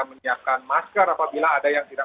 menyiapkan masker apabila ada yang tidak